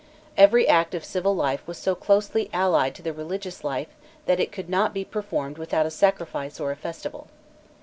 Every act of civil life was so closely allied to the religious life, that it could not be performed without a sacrifice or a festival.